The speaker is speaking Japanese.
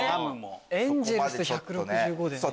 エンゼルス１６５でね。